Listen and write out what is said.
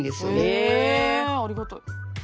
へえありがたい。